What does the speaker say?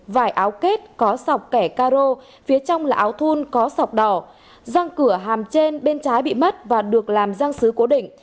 vải áo kết có sọc kẻ caro phía trong là áo thun có sọc đỏ răng cửa hàm trên bên trái bị mắt và được làm răng xứ cố định